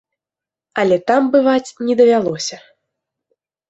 Але там бываць не давялося.